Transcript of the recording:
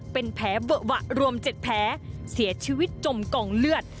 เป็นแผลเบอะวะรวมเจ็ดแพ้เสียชีวิตจมกล่องเลือด